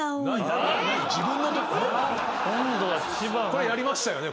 これやりましたよね？